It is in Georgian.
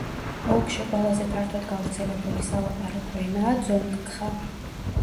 ოლქში ყველაზე ფართოდ გავრცელებული სალაპარაკო ენაა ძონგკხა.